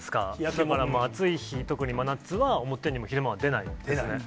だから、暑い日、特に真夏は昼間は出ないですね。